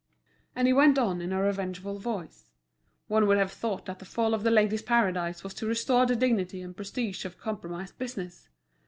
And he went on in a revengeful voice; one would have thought that the fall of The Ladies' Paradise was to restore the dignity and prestige of compromised business.